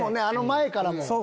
あの前からも。